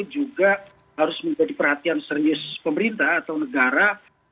juga harus menjadi perhatian serius pemerintah atau negara